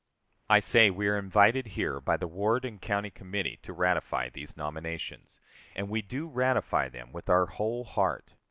I say we are invited here by the ward and county committee to ratify these nominations, and we do ratify them with our whole heart.